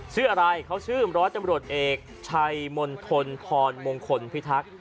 สื่ออะไรเขาชื่ออำรวจจำรวจเอกชัยมณฑนพอหนมงคลพิทักษ์